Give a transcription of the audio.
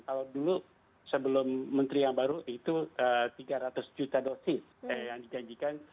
kalau dulu sebelum menteri yang baru itu tiga ratus juta dosis yang dijanjikan